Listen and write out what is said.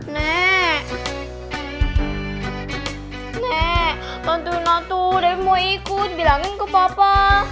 nek nanti aku mau ikut bilangin ke papa